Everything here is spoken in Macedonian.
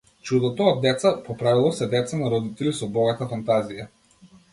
Чудото од деца, по правило, се деца на родители со богата фантазија.